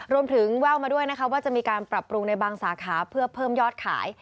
แววมาด้วยนะคะว่าจะมีการปรับปรุงในบางสาขาเพื่อเพิ่มยอดขาย